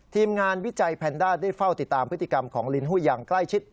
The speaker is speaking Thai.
ทีมงานวิจัยแพนด้าได้เฝ้าติดตามพฤติกรรมของลินหุ้ยอย่างใกล้ชิด